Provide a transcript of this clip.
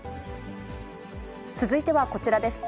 続いてはこちらです。